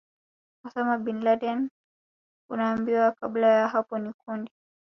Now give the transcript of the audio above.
Osama Bin Laden Unaambiwa kabla ya hapo ni kundi